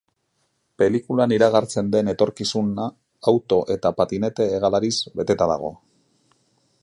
Pelikulan iragartzen den etorkizuna auto eta patinete hegalariz beteta dago.